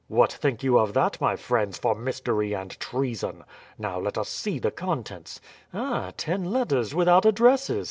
What think you of that, my friends, for mystery and treason? Now, let us see the contents. Ah, ten letters without addresses!